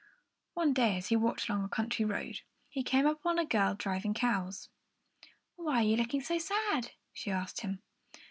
One day, as he walked along a country road, he came upon a girl driving cows. "Why are you looking so sad?" she asked him.